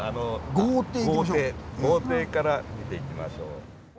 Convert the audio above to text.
豪邸から見ていきましょう。